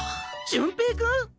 潤平君